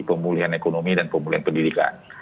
pemulihan ekonomi dan pemulihan pendidikan